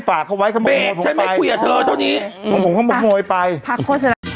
ฝากเขาไว้คำไม่ฉันไม่คุยกับเธอเท่านี้หมดไปผักโคตร